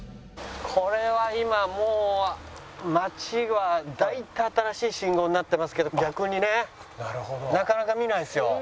これは今もう街は大体新しい信号になってますけど逆にねなかなか見ないですよ。